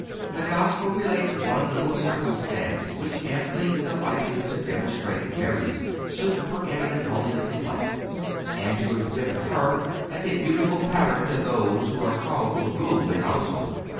The Gospel relates one little circumstance which amply suffices to demonstrate Mary's super eminent holiness of life, and to exhibit her as a beautiful pattern to those who are called to rule a household.